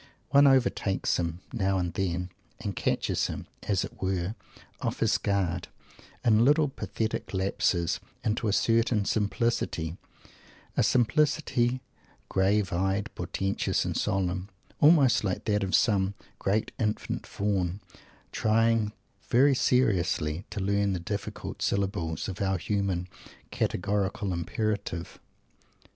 One overtakes him, now and then, and catches him, as it were, off his guard, in little pathetic lapses into a curious simplicity a simplicity grave eyed, portentious and solemn almost like that of some great Infant Faun, trying very seriously to learn the difficult syllables of our human "Categorical Imperative"!